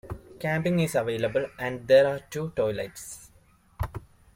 Camping is available and there are two toilets.